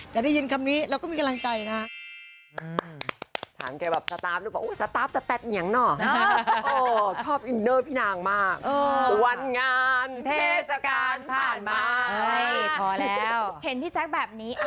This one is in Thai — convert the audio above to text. ได้ยินคำนี้เราก็มีกำลังใจนะ